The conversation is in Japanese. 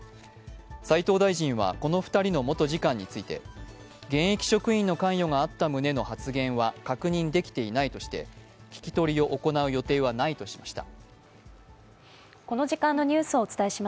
斉藤大臣はこの２人の元次官について現役職員の関与があった旨の発言は確認できないとしていて、聞き取りを行う予定はないとしました。